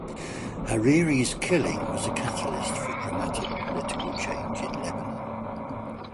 Hariri's killing was a catalyst for dramatic political change in Lebanon.